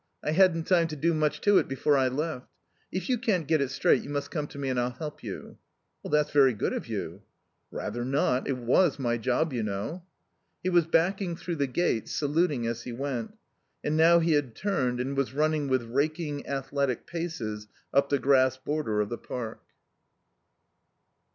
I hadn't time to do much to it before I left. If you can't get it straight you must come to me and I'll help you." "That's very good of you." "Rather not. It was my job, you know." He was backing through the gate, saluting as he went. And now he had turned and was running with raking, athletic paces up the grass border of the park.